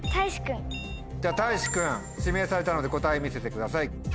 ではたいし君指名されたので答え見せてください。